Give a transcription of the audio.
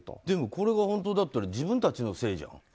でもこれが本当だったら自分たちのせいじゃん。